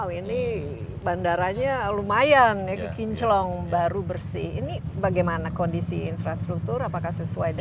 masih kita di umkm itu mum